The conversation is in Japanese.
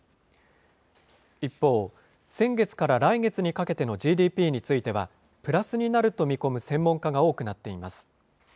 一方、先月から来月にかけてのＧＤＰについては、プラスになると見込む専門家が多くなっています。